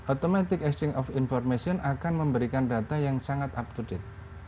automatic exchange of information akan memberikan data yang sangat up to date